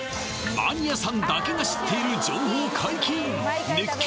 マニアさんだけが知っている情報解禁